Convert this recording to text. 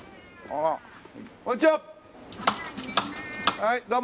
はいどうも。